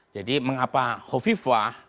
jadi mengapa hovifah